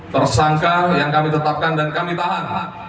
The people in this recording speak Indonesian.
tersangka yang kami tetapkan dan kami tahan